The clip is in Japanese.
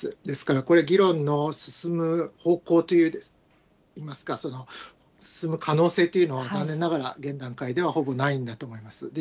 ですから、これ、議論の進む方向といいますか、進む可能性というのは、残念ながら現段階では、ほぼないんだと思います。